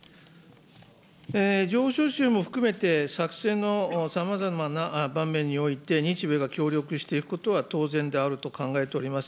情報収集も含めて作戦のさまざまな場面において、日米が協力していくことは当然であると考えております。